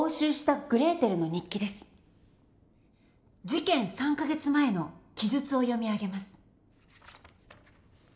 事件３か月前の記述を読み上げます。